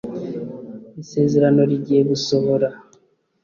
Isezerano rigiye gusohora